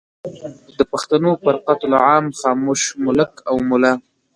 د پښتنو پر قتل عام خاموش ملک او ملا